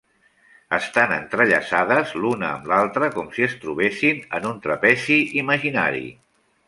Estan entrellaçades l'una amb l'altra com si es trobessin en un trapezi imaginari.